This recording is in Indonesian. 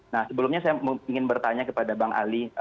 nah sebelumnya saya ingin bertanya kepada bang ali